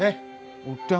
jual itu aja ya